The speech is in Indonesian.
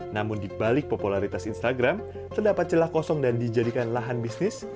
namun di balik popularitas instagram terdapat celah kosong dan dijadikan lahan bisnis